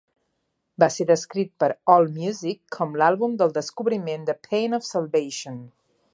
Va ser descrit per Allmusic com l'àlbum del descobriment de Pain of Salvation.